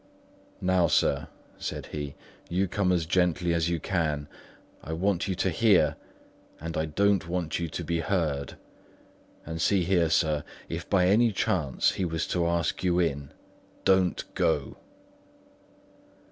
"Now, sir," said he, "you come as gently as you can. I want you to hear, and I don't want you to be heard. And see here, sir, if by any chance he was to ask you in, don't go."